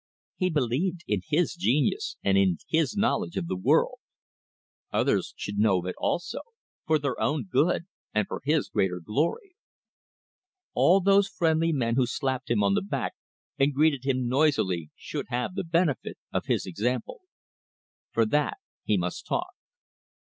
He believed in his genius and in his knowledge of the world. Others should know of it also; for their own good and for his greater glory. All those friendly men who slapped him on the back and greeted him noisily should have the benefit of his example. For that he must talk.